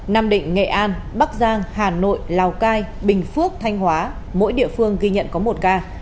nam định nghệ an bắc giang hà nội lào cai bình phước thanh hóa mỗi địa phương ghi nhận có một ca